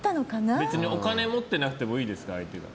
別にお金持ってなくてもいいですか。